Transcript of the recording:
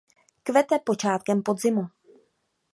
Kvete počátkem podzimu.